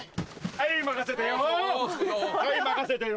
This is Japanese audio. はい任せてよ。